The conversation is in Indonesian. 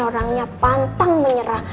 orangnya pantang menyerah